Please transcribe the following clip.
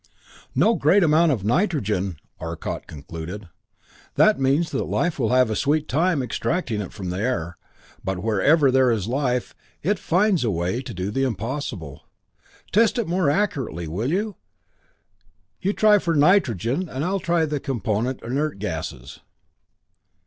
"No great amount of nitrogen," Arcot concluded. "That means that life will have a sweet time extracting it from the air but wherever there is life, it finds a way to do the impossible. Test it more accurately, will you you try for nitrogen and I'll try the component inert gasses."